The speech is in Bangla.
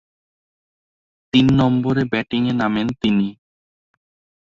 তিন নম্বরে ব্যাটিংয়ে নামেন তিনি।